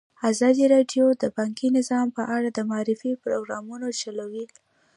ازادي راډیو د بانکي نظام په اړه د معارفې پروګرامونه چلولي.